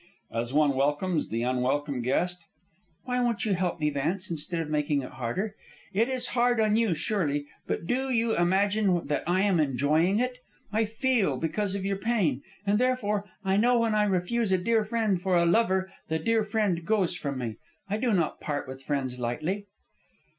"As one welcomes the unwelcome guest." "Why won't you help me, Vance, instead of making it harder? It is hard on you, surely, but do you imagine that I am enjoying it? I feel because of your pain, and, further, I know when I refuse a dear friend for a lover the dear friend goes from me. I do not part with friends lightly."